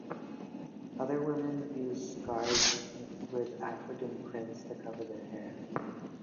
Other women used scarves with African prints to cover their hair.